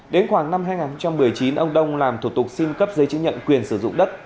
đến khoảng năm hai nghìn một mươi chín ông đông làm thủ tục xin cấp giấy chứng nhận quyền sử dụng đất